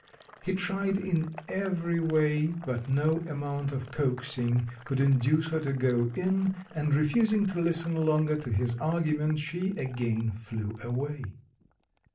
He tried in every way, but no amount of coaxing could induce her to go in, and refusing to listen longer to his argument, she again flew away.